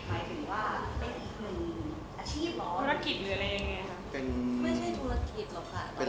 เป็นอีกหนึ่งอาชีพหรอภารกิจหรืออะไรยังไงครับ